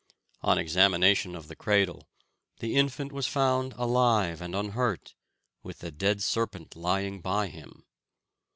On examination of the cradle, the infant was found alive and unhurt, with the dead serpent lying by him.